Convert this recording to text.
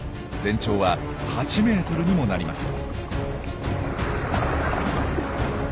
全長は８ｍにもなります。